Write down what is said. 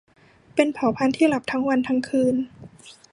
เป็นเผ่าพันธุ์ที่หลับทั้งวันทั้งคืน